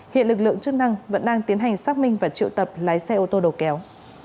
hiện lực lượng chức năng vẫn đang tiến hành xác minh và triệu tập lái xe ô tô đầu kéo